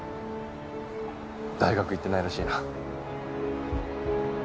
大学行ってないらしいな。